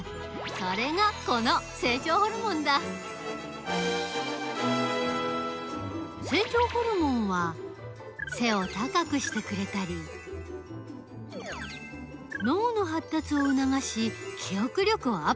それがこの成長ホルモンだ成長ホルモンは背を高くしてくれたり脳のはったつをうながし記憶力をアップさせたりする。